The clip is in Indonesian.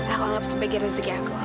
aku anggap sebagai rezeki aku